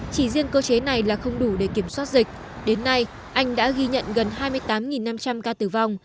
chỉ riêng cơ chế này là không đủ để kiểm soát dịch đến nay anh đã ghi nhận gần hai mươi tám năm trăm linh ca tử vong